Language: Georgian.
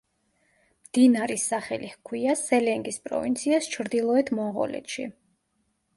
მდინარის სახელი ჰქვია სელენგის პროვინციას ჩრდილოეთ მონღოლეთში.